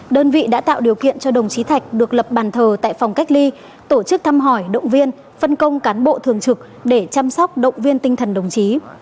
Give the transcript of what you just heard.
đơn vị đã tạo điều kiện cho đồng chí thạch được lập bàn thờ tại phòng cách ly tổ chức thăm hỏi động viên phân công cán bộ thường trực để chăm sóc động viên tinh thần đồng chí